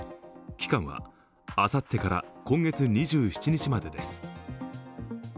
期間はあさってから今月２７日までです。